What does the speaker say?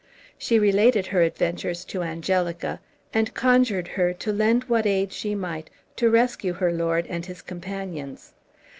She related her adventures to Angelica, and conjured her to lend what aid she might to rescue her lord and his companions.